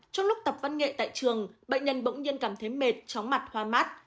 trong lúc tập văn nghệ tại trường bệnh nhân bỗng nhiên cảm thấy mệt chóng mặt hoa mát